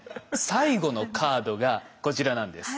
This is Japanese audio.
最後のカードがこちらなんです。